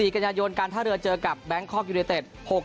กันยายนการท่าเรือเจอกับแบงคอกยูเนเต็ด